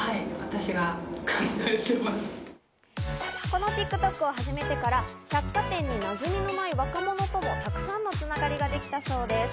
このＴｉｋＴｏｋを始めてから百貨店になじみのない若者とも、たくさんのつながりができたそうです。